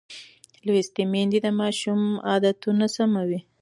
لوستې میندې د ماشوم عادتونه سموي.